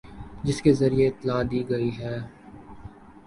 جس کے ذریعے اطلاع دی گئی ہے